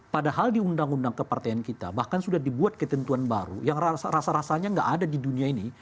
padahal di undang undang kepartean kita bahkan sudah dibuat ketentuan baru yang rasa rasanya nggak ada di dunia ini